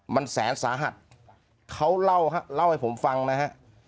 มันแสนสาหัสเขาเล่าฮะเล่าให้ผมฟังนะฮะ